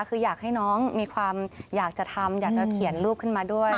คืออยากให้น้องมีความอยากจะทำอยากจะเขียนรูปขึ้นมาด้วย